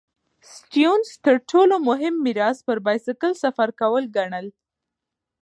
سټيونز تر ټولو مهم میراث پر بایسکل سفر کول ګڼل.